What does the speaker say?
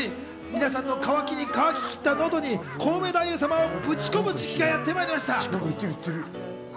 皆さんの乾ききった喉にコウメ太夫様をぶち込む時期がやって参りました。